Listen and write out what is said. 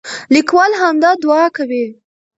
لیکوال همدا دعا کوي.